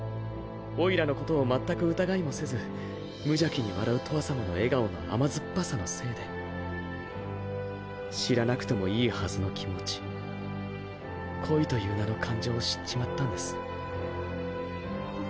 オイラのことを全く疑いもせず無邪気に笑うとわさまの笑顔の甘酸っぱさのせいで知らなくてもいいはずの気持ち恋という名の感情を知っちまったんです。